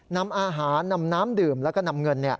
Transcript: นำอาหารนำน้ำดื่มแล้วก็นำเงิน